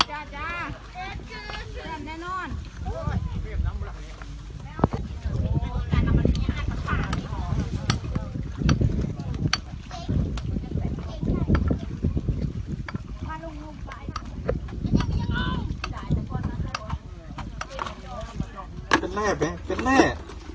สวัสดีครับทุกคน